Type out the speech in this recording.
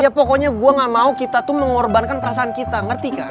ya pokoknya gue gak mau kita tuh mengorbankan perasaan kita ngerti kan